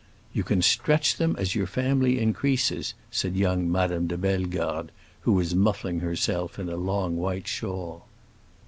"You can stretch them as your family increases," said young Madame de Bellegarde, who was muffling herself in a long white shawl.